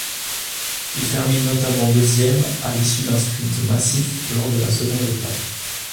Il termine notamment deuxième à l'issue d'un sprint massif, lors de la seconde étape.